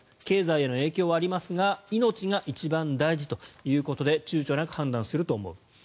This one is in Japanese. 経済への影響はありますが命が一番大事ということで躊躇なく判断すると思う。